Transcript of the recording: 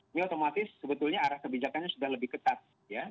ini otomatis sebetulnya arah kebijakannya sudah lebih ketat ya